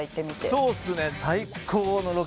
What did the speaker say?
そうですね。